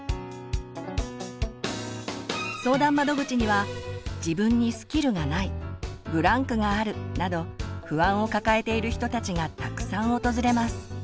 相談窓口には「自分にスキルがない」「ブランクがある」など不安を抱えている人たちがたくさん訪れます。